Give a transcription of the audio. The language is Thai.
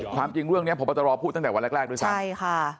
ความจริงเรื่องเนี่ยพอบอตรอบพูดตั้งแต่วันแรกด้วยค่ะ